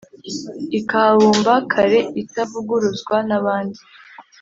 Ikahabumba kare itavuguruzwa nabandi